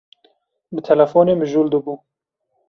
Bi telefonê mijûl dibû.